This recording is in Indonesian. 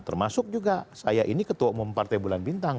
termasuk juga saya ini ketua umum partai bulan bintang